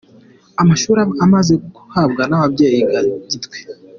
Amashuri amaze kubakwa n’ababyeyi ba Gitwe.